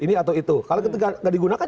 kalau tidak digunakan